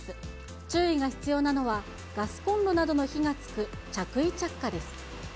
注意が必要なのは、ガスコンロなどの火がつく着衣着火です。